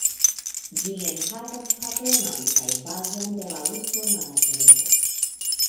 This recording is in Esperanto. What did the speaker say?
Ĝi enhavas havenon kaj bazon de la Usona armeo.